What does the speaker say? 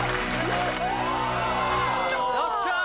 よっしゃ！